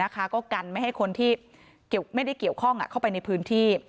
ก็กันไม่ให้คนที่ไม่ได้เกี่ยวข้องเข้าไปในพื้นที่